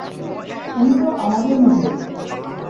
উনি তো আমাদের মতোই।